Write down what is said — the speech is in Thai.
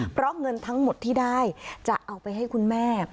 เพราะเงินทั้งหมดที่ได้จะเอาไปให้คุณแม่